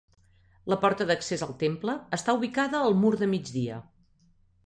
La porta d'accés al temple està ubicada al mur de migdia.